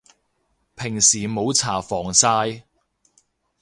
平時冇搽防曬